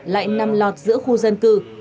lạnh năm lọt giữa khu dân cư